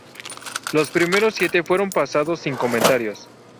Los primeros siete fueron pasados sin comentarios.